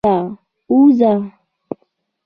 ووځه.